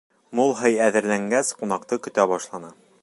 Мул һый әҙерләнгәс, ҡунаҡты көтә башланы.